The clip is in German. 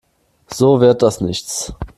So wird das nichts.